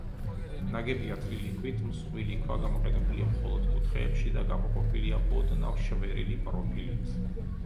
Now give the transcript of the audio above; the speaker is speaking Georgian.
ნაგებია თლილი ქვით, მსხვილი ქვა გამოყენებულია მხოლოდ კუთხეებში და გამოყოფილია ოდნავ შვერილი პროფილით.